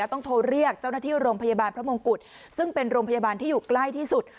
ต้องโทรเรียกเจ้าหน้าที่โรงพยาบาลพระมงกุฎซึ่งเป็นโรงพยาบาลที่อยู่ใกล้ที่สุด